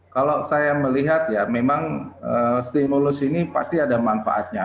kalau saya melihat ya memang stimulus ini pasti ada manfaatnya